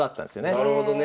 なるほどね。